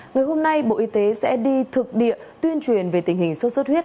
ngày hôm nay bộ y tế sẽ đi thực địa tuyên truyền về tình hình sốt xuất huyết